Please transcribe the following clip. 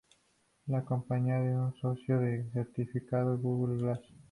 La compañía es un socio de certificado Google Glass.